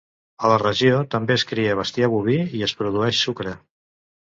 A la regió també es cria bestiar boví i es produeix sucre.